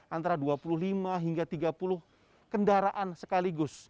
antara dua puluh lima hingga tiga puluh kendaraan sekaligus